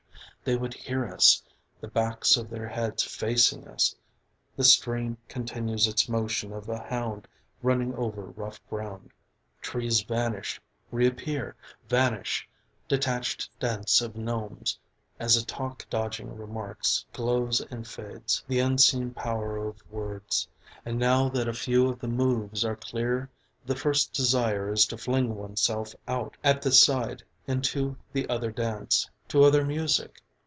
they would hear us. the backs of their heads facing us The stream continues its motion of a hound running over rough ground. Trees vanish reappear vanish: detached dance of gnomes as a talk dodging remarks, glows and fades. The unseen power of words And now that a few of the moves are clear the first desire is to fling oneself out at the side into the other dance, to other music.